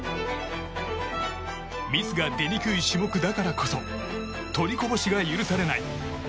ミスが出にくい種目だからこそ取りこぼしが許されない。